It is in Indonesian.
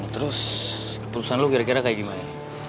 terus keputusan lo kira kira kayak gimana